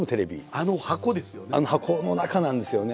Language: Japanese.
あの箱の中なんですよね。